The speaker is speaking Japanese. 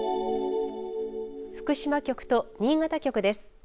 福島局と新潟局です。